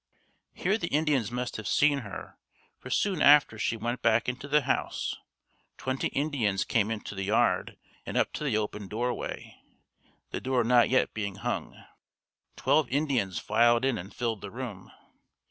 Here the Indians must have seen her, for soon after she went back into the house, twenty Indians came into the yard and up to the open doorway the door not yet being hung. Twelve Indians filed in and filled the room.